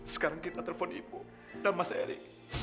sekarang kita telepon ibu dan mas erik